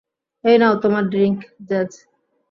এই নাও তোমার ড্রিংক, জ্যাজ।